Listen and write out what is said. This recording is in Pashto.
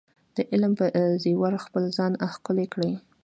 د علم په زیور خپل ځان ښکلی کړئ.